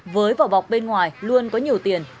với vỏ bọc bên ngoài luôn có nhiều tiền